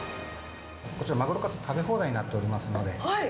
こちらマグロカツ食べ放題になっていますので。